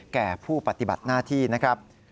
แก่ผู้ปฏิบัติหน้าที่นะครับ